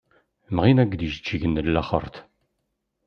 Mɣin-ak-d ijeǧǧigen n laxeṛt.